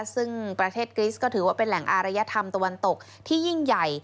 ซึ่งประเทศกริสก็ถือว่าเป็นแหล่งอารยธรรมตะวันตกที่ยิ่งใหญ่